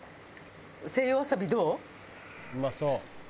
西洋わさびどう？